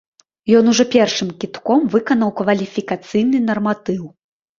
Ён ужо першым кідком выканаў кваліфікацыйны нарматыў.